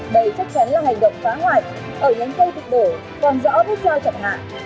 đây chắc chắn là hành động phá hoạch ở những cây thịt đổ còn rõ vết do chậm hạ